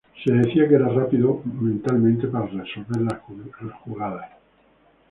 Se decía que era rápido mentalmente para resolver las jugadas.